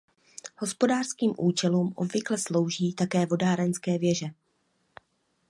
Hospodářským účelům obvykle slouží také vodárenské věže.